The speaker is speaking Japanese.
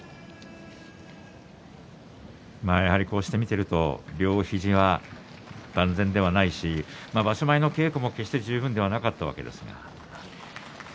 こうして見ていると両肘が万全ではないし場所前の稽古は決して十分ではなかったわけですが。